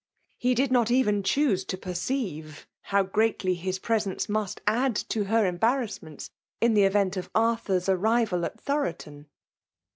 He did not evett choose to peweito how greatly his presence mdst'add to her embarrassnients in the event of Arthar*s jfrrival at Thoroton.